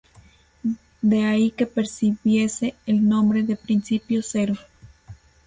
De ahí que recibiese el nombre de principio cero.